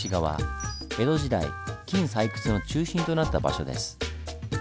江戸時代金採掘の中心となった場所です。